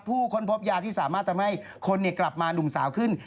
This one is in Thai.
ค้นพบยาที่สามารถทำให้คนกลับมาหนุ่มสาวขึ้น